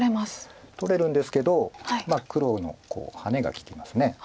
取れるんですけどまあ黒のハネが利きます。